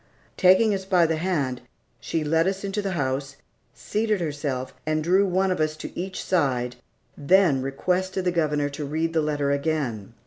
Taking us by the hand, she led us into the house, seated herself and drew one of us to each side, then requested the Governor to read the letter again.